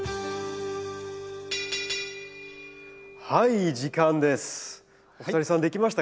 はい時間です。